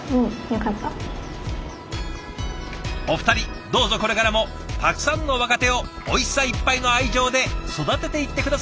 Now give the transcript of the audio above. お二人どうぞこれからもたくさんの若手をおいしさいっぱいの愛情で育てていって下さいね！